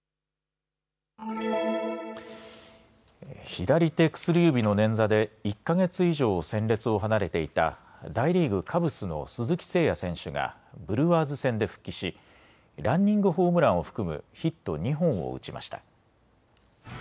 左手薬指の捻挫で１か月以上戦列を離れていた大リーグ、カブスの鈴木誠也選手がブルワーズ戦で復帰しランニングホームランを含むヒット２本を打ちました。